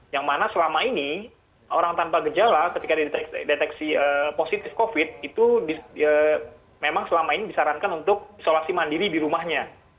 yang mana selama ini orang tanpa gejala ketika dideteksi positif covid itu memang selama ini disarankan untuk isolasi mandiri di rumahnya